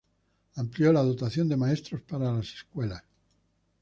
Amplió la dotación de maestros para las escuelas.